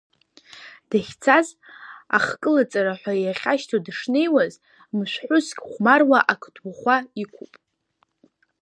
Дахьцаз, Ахкылаҵара ҳәа иахьашьҭо дышнеиуаз, мышәҳәыск хәмаруа ақыдуахәа иқәуп…